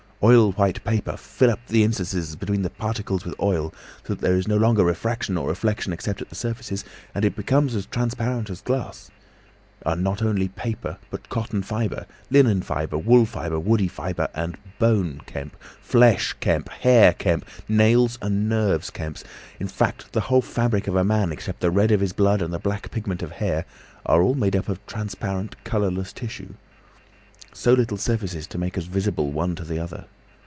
Oil white paper, fill up the interstices between the particles with oil so that there is no longer refraction or reflection except at the surfaces, and it becomes as transparent as glass. And not only paper, but cotton fibre, linen fibre, wool fibre, woody fibre, and bone, Kemp, flesh, Kemp, hair, Kemp, nails and nerves, Kemp, in fact the whole fabric of a man except the red of his blood and the black pigment of hair, are all made up of transparent, colourless tissue. So little suffices to make us visible one to the other.